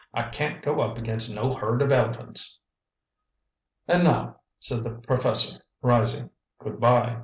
"I can't go up against no herd of elephants." "And now," said the professor, rising, "good bye!